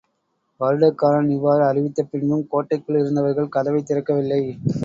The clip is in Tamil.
வருடகாரன் இவ்வாறு அறிவித்த பின்பும், கோட்டைக்குள் இருந்தவர்கள் கதவைத் திறக்கவில்லை.